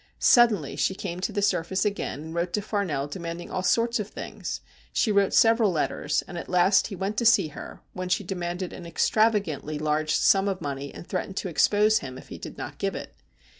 Suddenly she came to the surface again, and wrote to Farnell demanding all sorts of things. She wrote several letters, and at last he went to see her, when she demanded an extravagantly large sum of money, and threatened to expose him if he did not give it.